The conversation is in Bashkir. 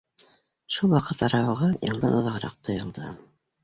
Шул ваҡыт арауығы йылдан оҙағыраҡ тойолдо.